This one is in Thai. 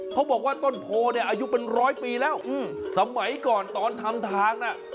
เขาบอกว่าต้นโพเนี่ยอายุเป็นร้อยปีแล้วสมัยก่อนตอนทำทางน่ะ